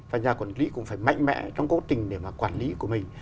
và nhà quản lý cũng phải mạnh mẽ trong cố tình để mà quản lý của mình